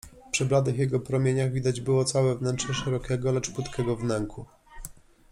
Przy bladych jego promieniach widać było całe wnętrze szerokiego, lecz płytkiego wnęku.